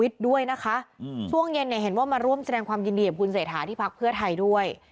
ช่วงเย็นเห็นว่ามาร่วมแสดงความยินดีกับคุณเสถาที่พักเพื่อไทยด้วย